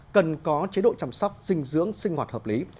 cần có chế độ chăm sóc dinh dưỡng sinh hoạt hợp lý